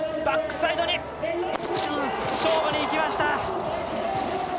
バックサイド勝負にいきました。